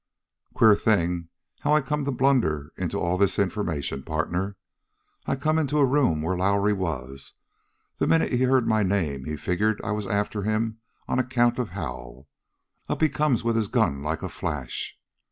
"Queer thing how I come to blunder into all this information, partner. I come into a room where Lowrie was. The minute he heard my name he figured I was after him on account of Hal. Up he comes with his gun like a flash.